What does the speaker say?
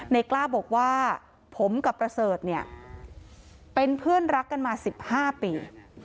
กล้าบอกว่าผมกับประเสริฐเนี่ยเป็นเพื่อนรักกันมา๑๕ปี